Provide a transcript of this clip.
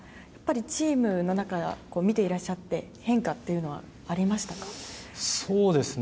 チームの中を見ていらっしゃって変化というのはありましたか？